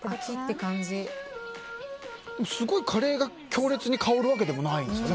すごいカレーが強烈に香るわけではないんですね。